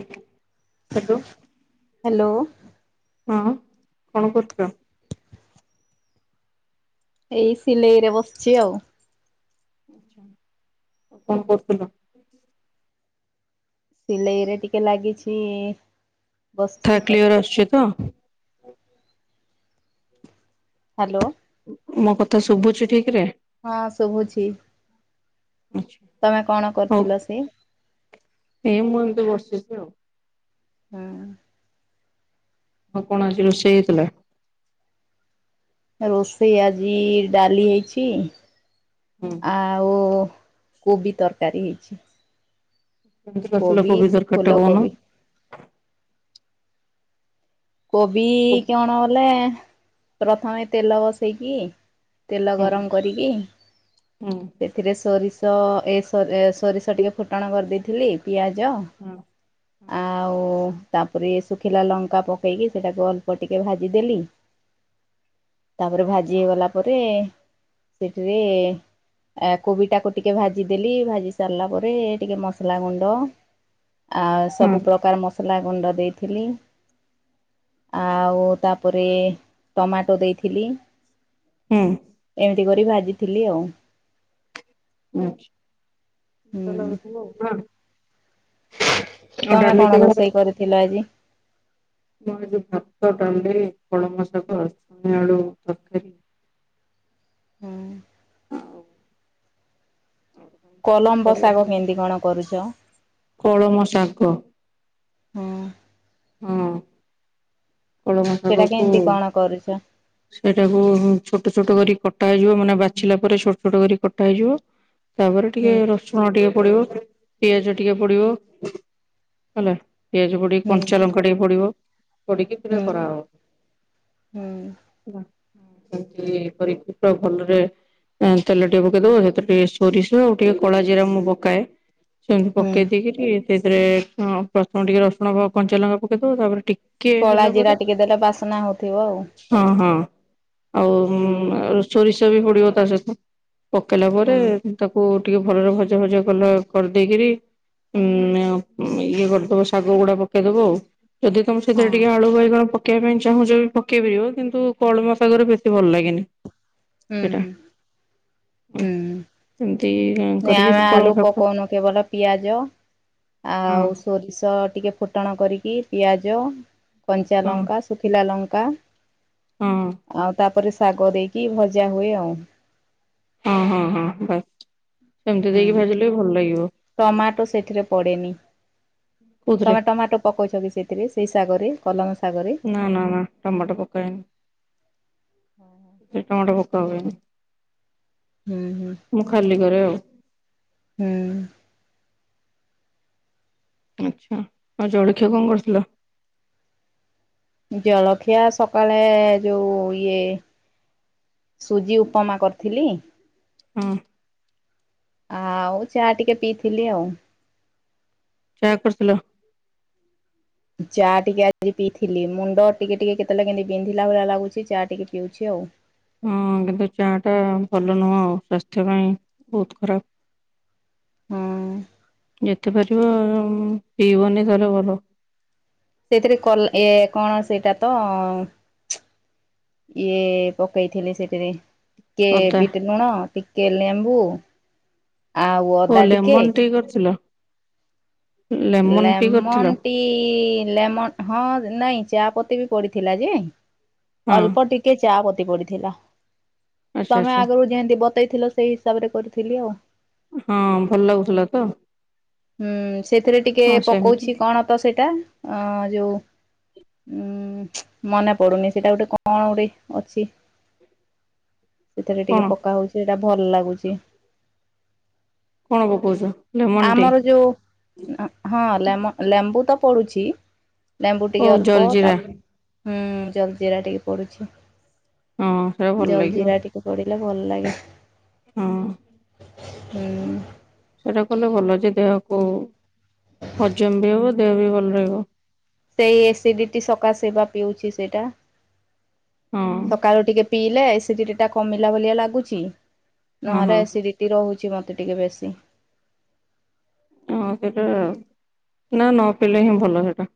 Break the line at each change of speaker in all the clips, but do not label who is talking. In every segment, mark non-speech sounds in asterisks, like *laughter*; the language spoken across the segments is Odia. କଟୁ *unintelligible*
ହ୍ୟାଲୋ।
ହଁ କଣ କରୁଚ଼।
ଏଇ ସିଲେଇରେ ବସିଛି ଆଉ।
ଆଛା ଆଉ କଣ କରୁଥିଲ?
ସିଲେଇରେ ଟିକେ ଲାଗିଛି ବସିଛି
କଥା କ୍ଲିଅର ଆସୁଛି ତ?
ହ୍ୟାଲୋ।
ମୋ କଥା ଶୁଭୁଛି ଠିକ ରେ?
ହଁ ଶୁଭୁଛି। ତମେ କଣ
ଆଚ୍ଛା
କରିଥିଲ ସେ
ହଉ ଏ ମୁଁ ଏମତି ବସିଚି ଆଉ।
ହୁଁ।
ଆଉ କଣ ଆଜି ରୋଷେଇ ହେଇଥିଲା?
ରୋଷେଇ ଆଜି ଡାଲି ହେଇଛି
ହୁଁ।
ଆଉ କୋବି ତରକାରୀ ହେଇଛି।
କେମିତି କରିଥିଲ କୋବି ତରକାରୀଟା କହୁନ?
କୋବି
ହୁଁ
କିଅଣ ବଲେ ପ୍ରଥମେ ତେଲ ବସେଇକି ତେଲ
ହୁଁ
ଗରମ କରିକି ସେଥିରେ ସୋରିଷ ଏ ସୋ ସୋରିଷ ଟିକେ ଫୁଟଣ କରିଦେଇଥିଲି ପିଆଜ
ହଁ।
ଆଉ ତାପରେ ଶୁଖିଲା ଲଙ୍କା ପ କେଇକି ସେଇଟାକୁ ଅଳ୍ପ ଟିକେ ଭାଜିଦେଲି ତାପରେ ଭାଜି ହେଇଗଲା ପରେ ସେଇଥିରେ ଆ କୋବିଟାକୁ ଟିକେ ଭାଜିଦେଲି ଭାଜି ସାରିଲା ପରେ ଟିକେ ମସଲା ଗୁଣ୍ଡ ଆଉ ସବୁ ପ୍ରକାର ମସଲା ଗୁଣ୍ଡ ଦେଇଥିଲି ଆଉ ତାପରେ ଟମାଟୋ ଦେଇଥିଲି
ହୁଁ।
ଏମିତି କରି ଭାଜିଥିଲି ଆଉ।
ହୁଁ।
ହୁଁ ତମେ କଣ ରୋଷେଇ କରିଥିଲ ଆଜି?
ମୁଁ ଏ ଯୋଉ ଭାତ, ଡାଲି, କଳମ ଶାଗ, ଛୁଇଁ ଆଳୁ ତରକାରୀ
ହୁଁ। କଲମ୍ବ ଶାଗ କେନ୍ତି କଣ କରୁଛ?
କଳମ ଶାଗ?
ହୁଁ
ହଁ। କଳମ ଶାଗ
ସେଟା
କୁ
କେମିତି କଣ କରୁଛ
ସେଇଟାକୁ ଛୋଟ ଛୋଟ କରି କଟା ହେଇଯିବ ମାନେ ବାଛିଲା ପରେ ଛୋଟ ଛୋଟ କରି କଟା ହେଇଯିବ ତାପରେ ଟିକେ
ହୁଁ
ରସୁଣ ଟିକେ ପଡିବ, ପିଆଜ ଟିକେ ପଡିବ ହେଲା ପିଆଜ ପଡିକି
ହୁଁ
କଞ୍ଚା ଲଙ୍କା ଟିକେ ପଡିବ ପଡିକି
ହୁଁ
ସେଇଟା କରାହବ।
ହୁଁ।
*unintelligible* କରିକି ପୁରା ଭଲରେ ଉଁ ତେଲ ଟିକେ ପକେଇଦବ ହେଇଥିରେ ଟିକେ ସୋରିଷ ଆଉ ଟିକେ କଳା ଜିରା ମୁଁ ପକାଏ। ସେମିତି
ହୁଁ
ପକେଇ ଦେଇକିରି ସେଇଥିରେ ହଁ ପ୍ରଥମ ଟିକେ ରସୁଣ କ କଞ୍ଚା ଲଙ୍କା ପକେଇ ଦବ ତାପରେ ଟିକ କେ
କଳା
ହେଲ
ଜିରା ଟିକେ ଦେଲେ ବାସ୍ନା ହଉଥିବ ଆଉ।
ହଁ ହଁ ଆଉ ଉଁ ସୋରିଷ ବି ପଡିବ ତା ସହିତ। ପକେଇଲା ପରେ
ହୁଁ
ତାକୁ ଟିକେ ଭଲରେ ଭଜା ଭଜା କଲା କରିଦେଇକିରି ଉଁ ଆଉ ଇଏ କରିଦବ ଶାଗ ଗୁଡା ପକେଇଦବ ଆଉ ଯଦି ତମେ
ହଁ
ସେଥିରେ ଟିକେ ଆଳୁ କଣ ପକେଇବା ପାଇଁ ଚାହୁଁଛ ବି ପକେଇ ପାରିବ କିନ୍ତୁ କଳମ ଶାଗରେ ବେଶୀ ଭଲ ଲାଗେନି।
ହୁଁ
ସେଇଟା
ହୁଁ ହୁଁ।
ସେମିତି
ନିଆ
କରିକି ସେ
ଆମେ
କଳମ
ଆଲୁ
ଶାଗ
ପକଉନୁ କେବଲ ପିଆଜ
ହଁ
ଆଉ ସୋରିଷ ଟିକେ ଫୁଟ ଫୁଟଣ କରିକି ପିଆଜ କଞ୍ଚା
ହଁ
ଲଙ୍କା ଶୁଖିଲା ଲଙ୍କା।
ହଁ।
ଆଉ ତାପରେ ଶାଗ ଦେଇକି ଭଜା ହୁଏ ଆଉ।
ହଁ ହଁ ହଁ ବାସ୍ ସେମିତି ଦେଇକି
ହୁଁ
ଭାଜିଲେ ବି ଭଲ ଲାଗିବ।
ଟମାଟୋ ସେଥିରେ ପଡେନି
କୋଉଥିରେ
ତମେ ଟମାଟୋ ପକଉଛ କି ସେ ସେଥିରେ ସେଇ ଶାଗରେ କଲମ ଶାଗରେ।
ନା ନା ନା ଟମାଟୋ ପକାଏନି। ସେ ଟମାଟୋ ପକା ହୁଏନି
ହୁଁ ହୁଁ
ମୁଁ ଖାଲି କରେ ଆଉ।
ହୁଁ।
ଆଛା ଆଉ ଜଳଖିଆ କଣ କରିଥିଲ।
ଜଳଖିଆ ସକାଳେ ଯୋଉ ଇଏ। ସୁଜି ଉପମା କରିଥିଲି।
ହୁଁ।
ଆଉ ଚା ଟିକେ ପିଇଥିଲି ଆଉ।
ଚା କରିଥିଲ।
ଚା ଟିକେ ଆଜି ପିଇଥିଲି ମୁଣ୍ଡ ଟିକେ ଟିକେ କେତେ ବେଲେ କେମତି ବିନ୍ଧିଲା ଭଳିଆ ଲାଗୁଛି ଚା ଟିକେ ପିଉଛି ଆଉ।
ହୁଁ କିନ୍ତୁ ଚାହା ଟା ଭଲ ନୁହଁ ଆଉ ସ୍ୱାସ୍ଥ୍ୟ ପାଇଁ ବହୁତ ଖରାପ।
ହଁ
ଯେତେ ପାରିବ ପିଇବନି ତାହେଲେ ଭଲ।
ସେଇଥିରେ କଲା ଏ କଣ ସେଇଟା ତ। ଇଏ ପକେଇଥିଲି ସେଥିରେ ଟିକେ
ଅଦା
ବିଟ ଲୁଣ ଟିକେ ଲେମ୍ବୁ। ଆଉ
ଓ
ଅଦା ଟିକେ
ଲେମନ ଟି କରିଥିଲ ଲେମନ ଟି କରିଥିଲ
ଲେମନ ଟି। କି ଲେମନ ହଁ ନାଇଁ ଚା ପତି ବି ପଡିଥିଲା ଯେ
ହଁ
ଅଳ୍ପ ଟି କେ ଚା ପତି ପଡିଥିଲା
ଆଚ୍ଛା
ତମେ
ଆଚ୍ଛା
ଆଗରୁ ଯେମତି‌ ବ ତେଇଥିଲ ସେଇ ହିସାବରେ କରିଥିଲି ଆଉ।
ହଁ ଭଲ ଲାଗୁଥିଲା ତ।
ହୁଁ ସେଥିରେ ଟିକେ
ହଁ
ପକଉଛି
ସେମିତି
କଣ ତ ସେଇଟା ଅ ଯୋଉ। ଉୁଁ ମନେ ପଡୁନି ସେଇଟା ଗୋଟେ କଣ ଗୋଟେ ଅଛି। ସେଥିରେ
କଣ
ଟିକେ ପକା ହଉଛି ସେଟା ଭଲ ଲାଗୁଚି।
କଣ ପକଉଚ।
ଆମର ଯୋଉ ହଁ ଲେମ ଲେମ୍ବୁ ତ ପଡୁଛି। ଲେମ୍ବୁ
ଓ
ଟିକେ ଅଳ୍ପ
ଜଲଜିିରା
ତାପ ହୁଁ ଜଲ ଜିରା ଟିକେ ପଡୁଛି
ହଁ ସେଟା ଭଲ
ଜଲ
ଲାଗିବ
ଜିରା ଟିକ କେ ପଡିଲେ ଭଲ ଲାଗେ।
ହଁ।
ହୁଁ।
ସେଇଟା କଲେ ଭଲ ଯେ ଦେହକୁ ହଜମ ବି ହବ ଦେହ ବି ଭଲ ରହିବ।
ସେଇ ଏସିଡିଟି ସକାଶ ବା ପିଉଛି ସେଇଟା।
ହଁ।
କକାଳୁ ଟିକେ ପିଇଲେ ଏସିଡିଟି ଟା କମିଲା ଭଲିଆ ଲାଗୁଛି
ହଁ
ନହେଲେ
ହଁ
ଏସିଡିଟି। ଟି ରହୁଛି ମୋତେ ଟିକେ ବେଶୀ।
ହଁ ସେଟା ନାଇ ନ ପଲେ ହିଁ ଭଲ ସେଇଟା।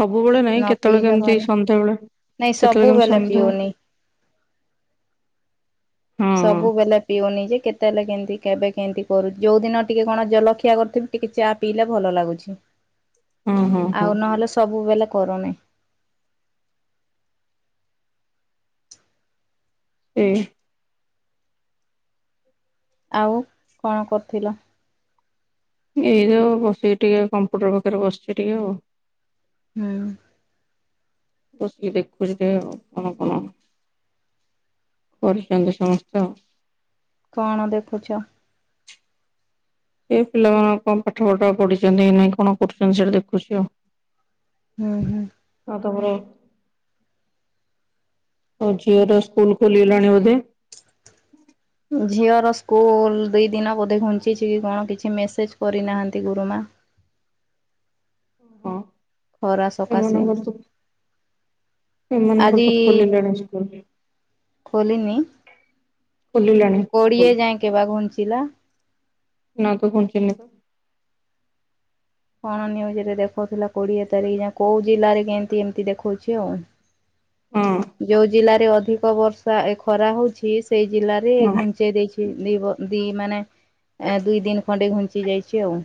ସବୁବେଳେ ନାଇଁ
ନ
କେତେବେଳେ
ପିଇଲେ
କେମିତି
ଭଲ
ସନ୍ଧ୍ୟାବେଳେ
ନାଇଁ
କେତେବେଳେ କେମିତି
ସବୁବେଳେ
ସନ୍ଧ୍ୟା।
ପିଉନି।
ହଁ
ସବୁବେଲେ ପିଉନି ଯେ କେତେ ବେଲେ କେମତି କେବେ କେମତି କରୁ ଯୋଉ ଦିନ ଟିକେ କଣ ଜଲଖିଆ କରିଥିବି। ଟିକେ ଚା ପିଇଲେ ଭଲ ଲାଗୁଛି
ହଁ ହଁ ହଁ
ଆଉ ନହେଲେ ସବୁବେଲେ କରୁନି।
ଉଁ।
ଆଉ କଣ କରୁଥିଲ।
ଏଇ ଯଉ ବସିକି ଟିକେ କମ୍ପୁଟର ପାଖରେ ବସିଛି ଟିକେ ଆଉ।
ହୁଁ।
ବସିକି ଦେଖୁଛି ଟିକେ ଆଉ କଣ କଣ। କରୁଛନ୍ତି ସମସ୍ତ
କଣ ଦେଖୁଛ?
ଏ ପିଲାମାନେ କଣ ପାଠ ପଢା ପଢିଛନ୍ତି ନାଇଁ କଣ କରୁଛନ୍ତି ସେଇଠା ଦେଖୁଛି ଆଉ।
ହୁଁ ହୁଁ।
ଆଉ ତମର ହଉ ଝିଅର ସ୍କୁଲ ଖୋଲିଗଲାଣି ବୋଧେ?
ଝିଅର ସ୍କୁଲ ଦିଇ ଦିନ ବୋଧେ ଘୁଞ୍ଚିଛି କି କଣ କିଛି ମେସେଜ କରିନାହାନ୍ତି ଗୁରୁମା।
ହଁ।
ଖରା ସକାଶେ
ଏମାନଙ୍କର ତ ଏମାନଙ୍କର
ଆଜି
ତ ଖୋଲିଲାଣି ସ୍କୁଲ।
ଖୋଲିନି
ଖୋଲିଲାଣି
କୋଡିଏ
ସ୍କୁଲ
ଯାଇଙ୍କି ବା ଘୁଞ୍ଚିଲା।
ନାତ ଘୁଞ୍ଚିନିତ।
କଣ ନ୍ୟୁଜ ରେ ଦେଖଉଥିଲା କୋଡିଏ ତାରିଖ ଯ କୋଉ ଜିଲ୍ଲାରେ କେମତି ଏମିତି ଦେଖଉଛି ଆଉ।
ହଁ
ଯୋଉ ଜିଲ୍ଲାରେ ଅଧିକ ବର୍ଷା ଏ ଖରା ହଉଛି ସେଇ ଜିଲ୍ଲାରେ
ହଁ
ଘୁଞ୍ଚ ପଚେଇ ଦେଇଛି ଦି ବ ଦି ମାନେ ଦୁଇ ଦିନ ଖଣ୍ଡେ ଘୁଞ୍ଚି ଯାଇଛି ଆଉ।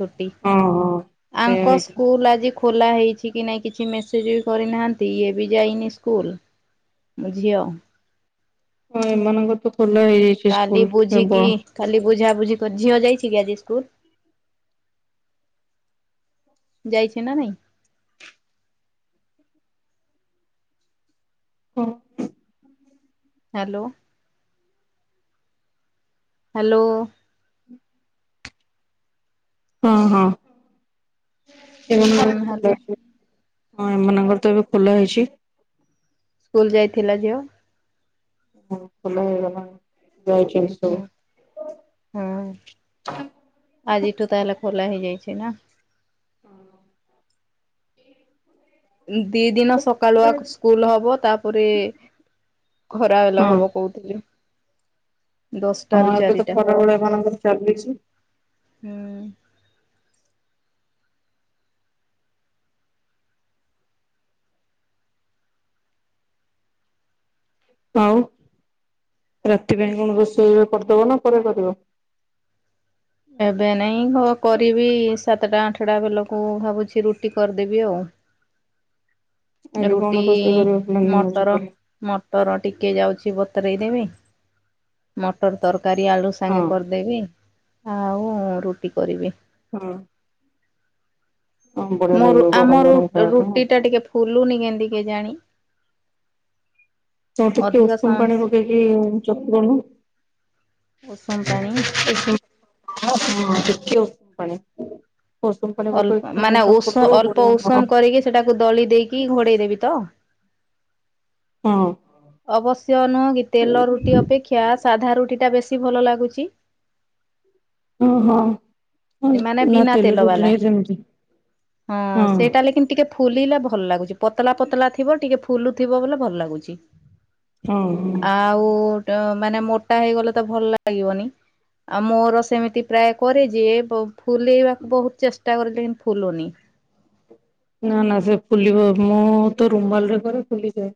ଛୁଟି
ହଁ ହଁ ସେଇଆ
ଆଙ୍କ
ହେଇଛି
ସ୍କୁଲ ଆଜି ଖୋଲା ହେଇଛି କି ନାଇଁ କିଛି ମେସେଜ ବି କରିନାହାନ୍ତି ଇଏ ବି ଯାଇନି ସ୍କୁଲ। ମୋ ଝିଅ
ହଁ ଏମାନଙ୍କ ତ ଖୋଲ ହେଇ
କାଲି ବୁଝିକି କାଲି ବୁଝା ବୁଝି ଝିଅ ଯାଇଛି କି ଆଜି ସ୍କୁଲ। ଯାଇଛି ନା ନାଇଁ।
ହଁ।
ହ୍ୟାଲୋ। ହ୍ୟାଲୋ।
ହଁ ହଁ *unintelligible*
ହୁଁ ହ୍ୟାଲୋ
ହଁ ଏମାନଙ୍କର ତ ଏବେ ଖୋଲା ହେଇଛି।
ସ୍କୁଲ ଯାଇଥିଲା ଝିଅ।
*unintelligible*
ହଁ ଆଜି ଏଠୁ ତାହେଲେ ଖୋଲା ହେଇଯାଇଛି ନା।
ହଁ।
ଦି ଦିନ ସକାଳୁ ଆ ସ୍କୁଲ ହବ ତାପରେ ଖରା ହେଲା
ହଁ
ହବ କହୁଥିଲେ। ଦଶଟା
ହଁ
ରୁ
ଏବେ ତ
ଚାରିଟା।
ଖରା ଭଳିଆ ମାନଙ୍କର ଚାଲିଛି।
ହୁଁ।
ଆଉ ରାତି ପାଇଁ କଣ ରୋଷେଇ କରିଦବ ନା ପରେ କରିବ।
ଏବେ ନାଇଁ କରିବି ସାତଟା ଆଠଟା ବେଲକୁ ଭାବୁଛି ରୁଟି କରିଦେବି ଆଉ।
ଆଜି କଣ
ରୁଟି
ରୋଷେଇ କରିବ ପ୍ଲାନିଂ ଅଛି
ମଟର
ତାହେଲେ
ମଟର ଟିକେ ଯାଉଛି ବତରେଇ ଦେବି, ମଟର ତରକାରୀ ଆଳୁ
ହଁ
ସାଙ୍ଗେ କରିଦେବି ଆଉ ରୁଟି କରିବି।
ହଁ। ହଁ ବଢିଆ
ମୋର
ଲାଗିବ ଗରମ
ଆମର
ଗରମ ଖାଇବା ପାଇଁ ଆଉ
ରୁଟି ଟା ଟିକେ ଫୁଲୁନି କେତି କେଜାଣି।
ଆ ଟିକେ
ଅଧିକ
ଉଷୁମ
ସମୟ
ପାଣି ପକେଇକି ଚକୁଡୁଣୁ।
ଉଷୁମ ପାଣି।
*unintelligible* ହଁ ହଁ ଟିକେ ଉଷୁମ ପାଣି।
ଅଳ୍ପ ମାନେ
*unintelligible*
ଉଷ ଅଳ୍ପ
ବଢିଆ
ଉଷୁମ
ନରମ।
କରିକି ସେଟାକୁ ଦଳି ଦେଇକି ଘୋଡ଼େଇ ଦେବି ତ
ହଁ।
ଅବଶ୍ୟ ନୁହେଁ କି ତେଲ ରୁଟି ଅପେକ୍ଷା ସାଧା ରୁଟିଟା ବେଶୀ ଭଲ ଲାଗୁଛି।
ଅ ହଁ।
ଏମାନେ
ନା
ବିନା ତେଲ ବାଲା।
ରୁଟିରେ ସେମିତି
ହଁ ସେଇଟା ହେଲେ କିନ୍ ଟିକେ ଫୁଲିଲେ ଭଲ ଲାଗୁଚି। ପତଲା ପତଲା ଥିବ ଟିକେ ଫୁଲୁଥିବ ବଲେ ଭଲ ଲାଗୁଚି।
ହଁ ହଁ।
ଆଉ ମାନେ ମୋଟା ହେଇଗଲେ ତ ଭଲ ଲାଗିବନି। ଆଉ ମୋର ସେମିତି ପ୍ରାୟ କରେ ଯେ ଫ ଫୁଲେଇବାକୁ ବହୁତ ଚେଷ୍ଟା କରଲି କିନ୍ତୁ ଫୁଲୁନି।
ନା ନା ସେ ଫୁଲିବ ମୁଁ ତ ରୁମାଲ ରେ କରେ ଫୁଲିଯାଏ।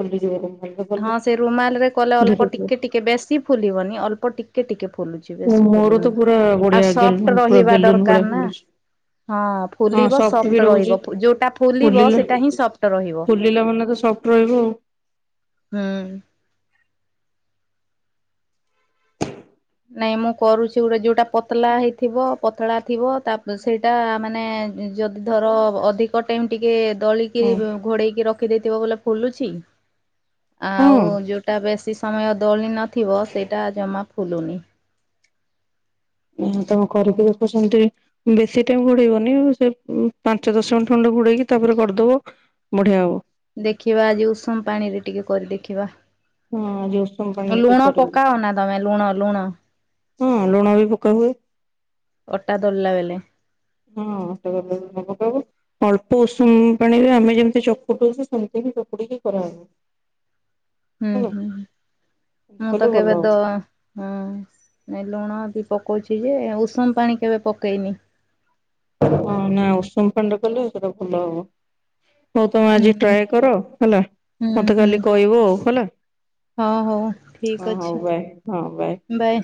ଫୁଲିଯିବ ଯଦି ଭଲ।
ହଁ ସେ ରୁମାଲ ରେ କଲେ ଅଳ୍ପ ଟିକେ ଟିକେ ବେଶି ଫୁଲିବନି ଅଳ୍ପ ଟି ଟିକେ ଟିକେ ଫୁଲୁଚି ବେଶୀ
ମୋର
ଫୁଲୁନି।
ତ ପୁରା ବଢିଆ
ଆଉ ସଫ୍ଟ
ପୁରା
ରହିବା
ବେଲୁନ ଭଳିଆ
ଦରକାର ନା।
ଫୁଲୁଛି।
ହଁ
ହଁ
ଫୁଲିବ
ବି
ସଫ୍ଟ
ରହୁଛି
ରହିବ। ଯୋଉଟା ଫୁଲିବ
ଫୁଲିଲା
ସେଇଟା ହିଁ ସଫ୍ଟ ରହିବ।
ଫୁଲିଲା ମାନେ ତ ସଫ୍ଟ ରହିବ ଆଉ।
ହୁଁ। ନାଇଁ ମୁଁ କରୁଚି ଗୋଟେ ଯୋଉଟା ପତଲା ହେଇଥିବ ପତଳା ଥିବ ତା ସେଇଟା ମାନେ ଯ ଧର ଅଧିକ ଟାଇମ ଟିକେ ଦଳିକି ଘୋଡେଇକି ରଖିଦେଇଥିବ ବୋଲେ ଫୁଲୁଚି।
ହଁ
ଆଉ
ହଁ।
ଯୋଉଟା ବେଶୀ ସମୟ ଦଳି ନଥିବ ସେଇଟା ଜମା ଫୁଲୁନି।
ତମ। *unintelligible* ବେଶୀ ଟାଇମ୍ ଘୋଡେଇବନି, ସେ ପାଞ୍ଚ ଦଶ ମିନିଟ୍ ଖଣ୍ଡେ ଘୋଡେଇକି ତାପରେ କରିଦବ। ବଢିଆ ହବ।
ଦେଖିବା ଆଜି ଉଷୁମ ପାଣି ରେ ଟିକେ କରି ଦେଖିବା।
ହଁ ଆଜି ଉଷୁମ ପାଣି ରେ ଟିକେ
ଲୁଣ
କରିବେ।
ପକାଅ ନା ତମେ ଲୁଣ ଲୁଣ
ହଁ ଲୁଣ ବି ପକା ହୁଏ।
ଅଟା ଦଳିଲା ବେଲେ।
*unintelligible* ଅଳ୍ପ ଉଷୁମ ପାଣିରେ ଆମେ ଯେମିତି ଚକୁଟୁଚୁ ସେମିତି ବି ଚକୁଡ଼ିକି କରାହବ।
ହୁଁ
ହେଲା।
ହୁଁ।
ଏମିତି
ମୁଁ
କଲେ
ତ
ଭଲ
କେବେ ଦ
ହବ
ହଁ। ନାଇଁ ଲୁଣ ବି ପକଉଚି ଯେ ଉଷୁମ ପାଣି କେବେ ପକେଇନି।
ହଁ ନା ଉଷୁମ ଫାଣି ରେ କଲେ ସେଟା ଭଲ ହବ। ହଉ ତମେ
ହୁଁ
ଆଜି
ହୁଁ
ଟ୍ରାଏ କର ହେଲା।
ହୁଁ
ମତେ
ହୁଁ
ଖାଲି କହିବ ଆଉ ହେଲା।
ହଁ ହଉ ଠିକ
ହଁ ହଉ
ଅଛି
ବାଏ। ହଁ ବାଏ।
ବାଏ।